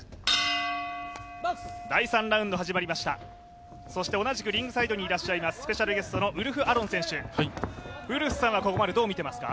第３ラウンド始まりました、リングサイドにいらっしゃいますウルフ・アロン選手、ウルフさんはここまでどう見ていますか？